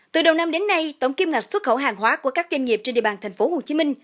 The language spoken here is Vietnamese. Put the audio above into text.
từ đầu năm đến nay tổng kiêm ngạch xuất khẩu hàng hóa của các doanh nghiệp trên địa bàn tp hcm